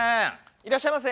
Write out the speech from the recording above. いらっしゃいませ。